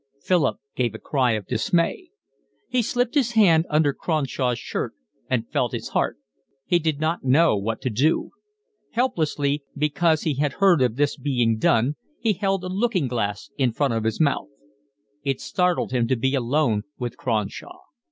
Philip gave a cry of dismay. He slipped his hand under Cronshaw's shirt and felt his heart; he did not know what to do; helplessly, because he had heard of this being done, he held a looking glass in front of his mouth. It startled him to be alone with Cronshaw.